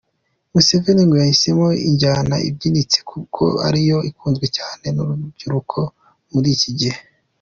Museveni ngo yahisemo injyana ibyinitse kuko ariyo ikunzwe cyane n’urubyiruko muri iki gihe.